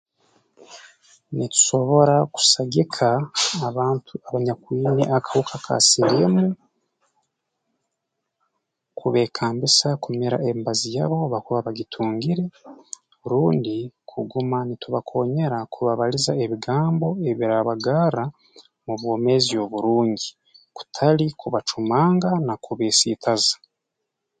Nitusobora kusagika abantu abanyakwina akahuka ka siliimu kubeekambisa kumira emibazi yabo obu bakuba bagitungire rundi kuguma nitubakoonyera kubabaliza ebigambo ebiraabagarra mu bwomeezi oburungi kutali kubacumanga na kubeesiitaza